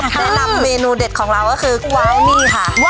แนบเมนูเด็ดของเราก็คือวาวนีค่ะ